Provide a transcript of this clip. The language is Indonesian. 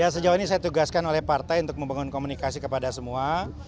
sejauh ini saya tugaskan oleh partai untuk membangun komunikasi kepada semua